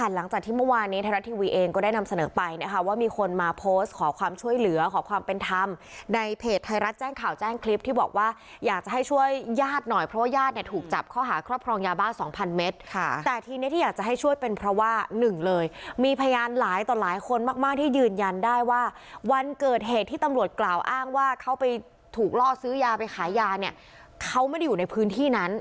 หลังจากที่เมื่อวานนี้ไทยรัฐทีวีเองก็ได้นำเสนอไปนะคะว่ามีคนมาโพสต์ขอความช่วยเหลือขอความเป็นธรรมในเพจไทยรัฐแจ้งข่าวแจ้งคลิปที่บอกว่าอยากจะให้ช่วยญาติหน่อยเพราะว่าญาติเนี่ยถูกจับเขาหาครอบครองยาบ้านสองพันเมตรค่ะแต่ทีนี้ที่อยากจะให้ช่วยเป็นเพราะว่าหนึ่งเลยมีพยานหลายต่อหลายคนมากมากท